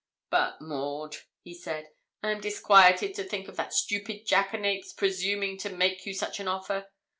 'But, Maud,' he said, 'I am disquieted to think of that stupid jackanapes presuming to make you such an offer!